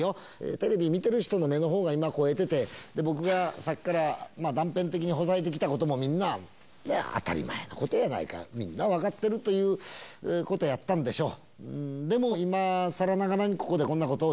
テレビ見てる人の目のほうが、今肥えてて、僕がさっきから断片的にほざいてきたことも、当たり前のことやないか、みんな分かってるということやったんでしょう。